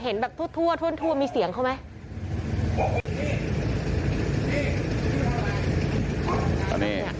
เห็นแบบทั่วมีเสียงเขาไหม